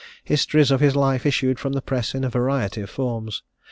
Histories of his life issued from the press in a variety of forms.